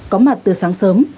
có mặt từ sáng sớm